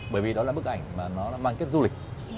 bởi vì đó là bức ảnh mà nó mang kết du lịch